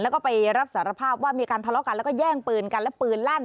แล้วก็ไปรับสารภาพว่ามีการทะเลาะกันแล้วก็แย่งปืนกันและปืนลั่น